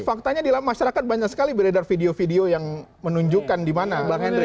faktanya di lapangan masyarakat banyak sekali beredar video video yang menunjukkan di mana